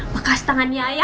bekas tangan nya ya